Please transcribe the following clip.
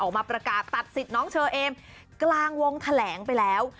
ออกมาประกาศตัดสิทธิ์น้องเชอเอมกลางวงแถลงไปแล้ว